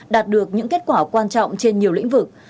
đạt được những kết quả quan trọng trên nhiều lĩnh vực